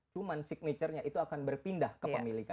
cuman signature nya itu akan berpindah ke pemilikannya